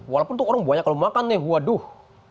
walaupun tuh orang banyak kalau makan nih waduh